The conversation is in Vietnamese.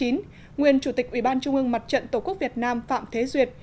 nguyên chủ tịch ủy ban trung ương mặt trận tổ quốc việt nam phạm thế duyệt